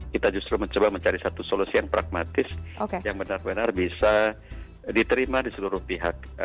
kita justru mencoba mencari satu solusi yang pragmatis yang benar benar bisa diterima di seluruh pihak